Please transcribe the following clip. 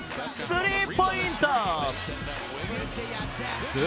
スリーポイント